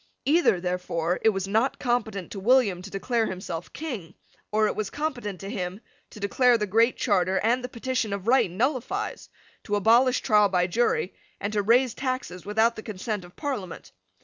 Either, therefore, it was not competent to William to declare himself King, or it was competent to him to declare the Great Charter and the Petition of Right nullifies, to abolish trial by jury, and to raise taxes without the consent of Parliament.